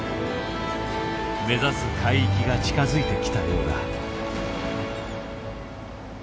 目指す海域が近づいてきたようだ。